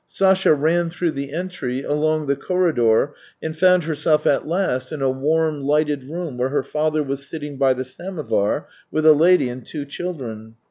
Sasha ran through the entry, along a corridor, and found herself at last in a warm, hghted room where her father was sitting by the samovar with a lady and two children.